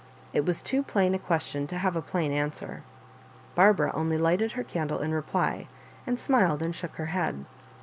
It was too plain a question to have a plain answer. Barbara only lighted her caudle in reply, and smiled and shook her head.